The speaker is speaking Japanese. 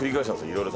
いろいろ。